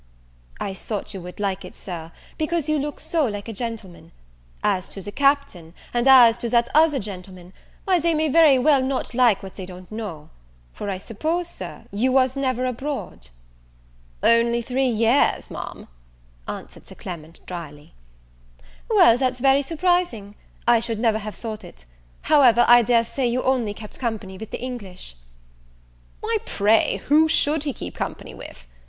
"I thought you would like it, Sir, because you look so like a gentleman. As to the Captain, and as to that other gentleman, why they may very well not like what they don't know: for I suppose, Sir, you was never abroad?" "Only three years, Ma'am," answered Sir Clement, drily. "Well, that's very surprising! I should never have thought it: however, I dare say you only kept company with the English." "Why, pray, who should he keep company with?"